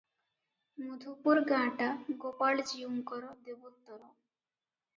ମଧୁପୁର ଗାଁଟା ଗୋପାଳଜୀଉଙ୍କର ଦେବୋତ୍ତର ।